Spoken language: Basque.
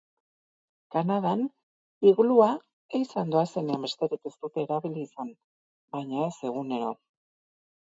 Kanadan iglua ehizan doazenean besterik ez dute erabili izan, baina ez egunero.